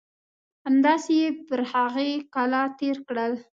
همداسې یې پر هغې کلا تېر کړل.